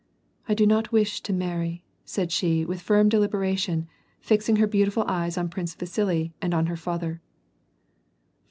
I do not wish to marry," said she with firm deliberation, fixing her beautiful eyes on Prince Vasili and on her father.